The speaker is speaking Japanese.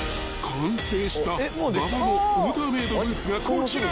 ［完成した馬場のオーダーメードブーツがこちら］